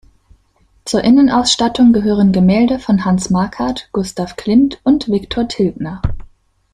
Zur Innenausstattung gehören Gemälde von Hans Makart, Gustav Klimt und Viktor Tilgner.